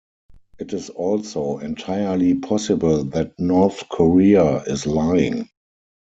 It is also entirely possible that North Korea is lying.